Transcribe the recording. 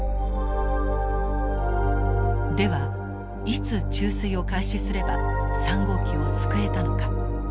ではいつ注水を開始すれば３号機を救えたのか。